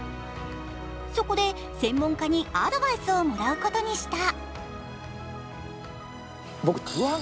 そこで、専門家にアドバイスをもらうことにした。